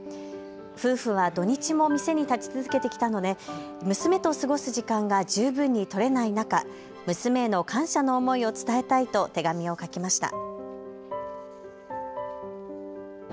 夫婦は土日も店に立ち続けてきたため娘と過ごす時間が十分に取れない中、娘への感謝の思いを伝えたいと手紙を書きました。